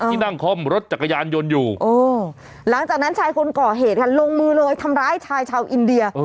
ที่นั่งคล่อมรถจักรยานยนต์อยู่หลังจากนั้นชายคนก่อเหตุค่ะลงมือเลยทำร้ายชายชาวอินเดีย